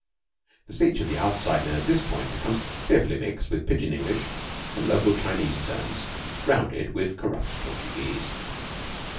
The speech of the Outside Men at this point becomes fearfully mixed with pidgin English and local Chinese terms, rounded with corrupt Portuguese.